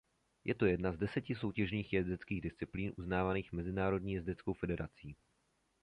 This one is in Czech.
Je to jedna z deseti soutěžních jezdeckých disciplín uznávaných Mezinárodní jezdeckou federací.